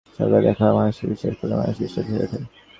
সংসারে দেখা যায় মানুষকে বিশ্বাস করলে মানুষ বিশ্বাসী হয়ে ওঠে।